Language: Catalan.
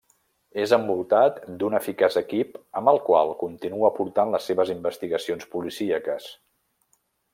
És envoltat d'un eficaç equip amb el qual continua portant les seves investigacions policíaques.